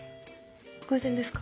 偶然ですか？